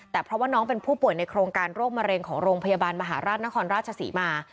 แต่เพราะว่าน้องเป็นผู้ป่วยในโครงการโรคมะเร็งของโรงพยาบาลมหาราชนครราชศรีมา